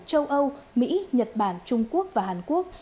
châu âu mỹ nhật bản trung quốc và hàn quốc